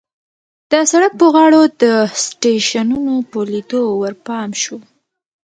د سړک په غاړو د سټېشنونو په لیدو ورپام شو.